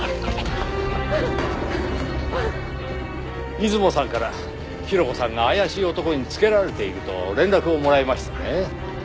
出雲さんからヒロコさんが怪しい男につけられていると連絡をもらいましてね。